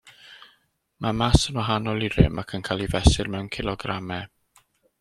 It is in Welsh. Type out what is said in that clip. Mae màs yn wahanol i rym ac yn cael ei fesur mewn cilogramau.